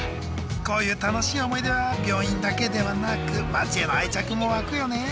こういう楽しい思い出は病院だけではなく町への愛着も湧くよね。